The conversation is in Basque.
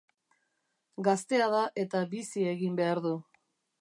Gaztea da eta bizi egin behar du.